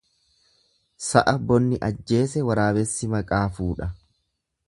Sa'a bonni ajjese waraabessi maqaa fuudha.